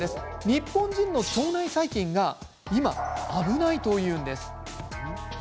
日本人の腸内細菌が今危ないというんです。